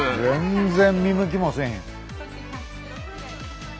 全然見向きもせえへん。